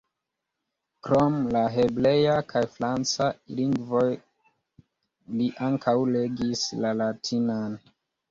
Krom la hebrea kaj franca lingvoj li ankaŭ regis la latinan.